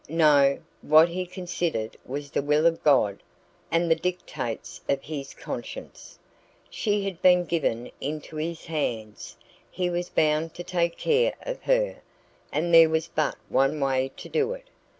No, what he considered was the will of God and the dictates of his conscience. She had been given into his hands; he was bound to take care of her, and there was but one way to do it.